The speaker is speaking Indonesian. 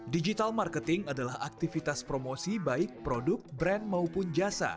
digital marketing adalah aktivitas promosi baik produk brand maupun jasa